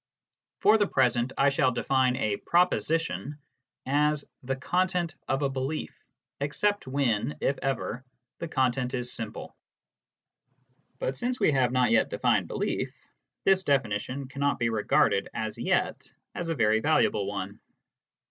For the present I shall define a " proposition " as the content of a belief, except when, if ever, the content is simple. But since we have not yet defined " belief," this definition cannot be regarded as yet as a very valuable one.